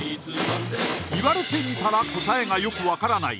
言われてみたら答えがよく分からない